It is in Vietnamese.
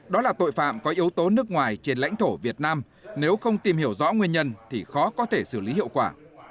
đó là tội phạm có yếu tố nước ngoài trên lãnh thổ việt nam nếu không tìm hiểu rõ nguyên nhân thì khó có thể xử lý hiệu quả